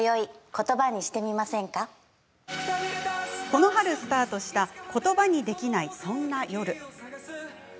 この春スタートした「言葉にできない、そんな夜。」